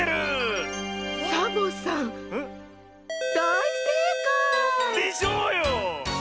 サボさんだいせいかい！でしょうよ！